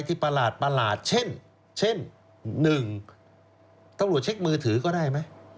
ตำรวจเช็คมือถือก็ได้ไหม